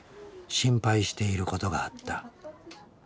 心配していることがあった。